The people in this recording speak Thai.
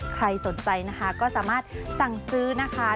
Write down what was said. ใครสนใจนะคะก็สามารถสั่งซื้อนะคะ